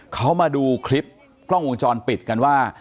เขามาดูคลิปกล้องวงจรปิดกันว่า